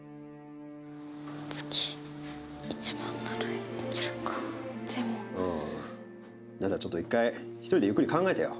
月１万ならいけるかでもじゃあちょっと一回一人でゆっくり考えてよ